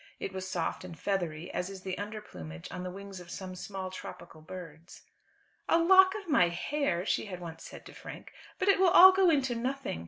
It was soft and feathery, as is the under plumage on the wings of some small tropical birds. "A lock of my hair!" she had once said to Frank; "but it will all go into nothing.